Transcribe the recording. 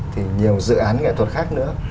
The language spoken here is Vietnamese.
thì nhiều dự án nghệ thuật khác nữa